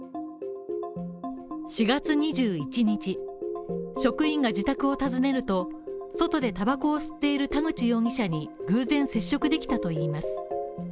４月２１日、職員が自宅を訪ねると、外でタバコを吸っている田口容疑者に偶然接触できたといいます。